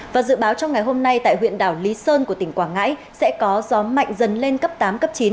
và dự báo trong ngày hôm nay tại huyện đảo lý sơn của tỉnh quảng ngãi sẽ có gió mạnh dần lên cấp tám cấp chín